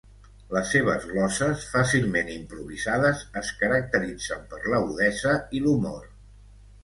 Les seves gloses, fàcilment improvisades, es caracteritzen per l'agudesa i l'humor.